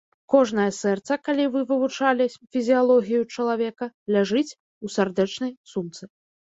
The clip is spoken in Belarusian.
Кожнае сэрца, калі вы вывучалі фізіялогію чалавека, ляжыць у сардэчнай сумцы.